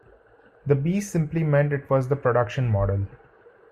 The "B" simply meant it was the production model.